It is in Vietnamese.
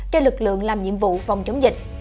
cho lực lượng làm nhiệm vụ phòng chống dịch